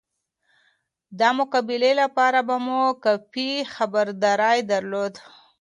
د مقابله لپاره به مو کافي خبرداری درلود.